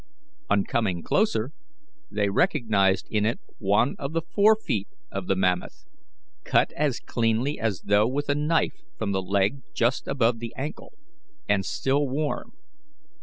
On coming closer, they recognized in it one of the forefeet of the mammoth, cut as cleanly as though with a knife from the leg just above the ankle, and still warm.